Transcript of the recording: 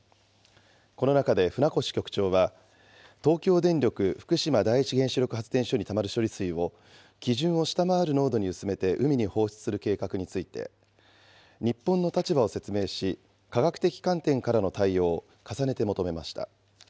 この中で船越局長は東京電力福島第一原子力発電所にたまる処理水を基準を下回る濃度に薄めて海に放出する計画について、日本の立場を説明し、科学的観点からの対応を重ねて求めました。